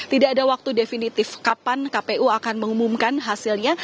tidak ada waktu definitif kapan kpu akan mengumumkan hasilnya